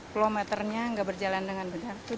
pelometernya tidak berjalan dengan benar